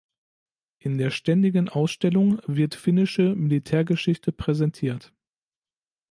In der ständigen Ausstellung wird finnische Militärgeschichte präsentiert.